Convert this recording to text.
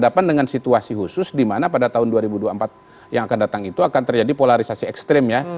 saya merasa ada situasi khusus dimana pada tahun dua ribu dua puluh empat yang akan datang itu akan terjadi polarisasi ekstrim ya